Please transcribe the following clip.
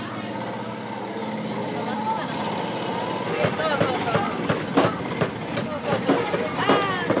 そうそうそう。